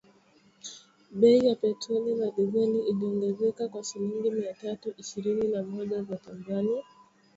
Bei ya petroli na dizeli iliongezeka kwa shilingi mia tatu ishirini na moja za Tanzania ( dola kumi na nne) hadi shilingi elfu mbili mia nane sitini